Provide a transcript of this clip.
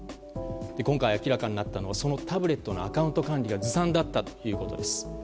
今回明らかになったのはそのタブレットのアカウント管理がずさんだったということです。